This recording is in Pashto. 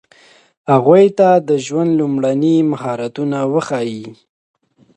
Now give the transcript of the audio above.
هغوی ته د ژوند لومړني مهارتونه وښایئ.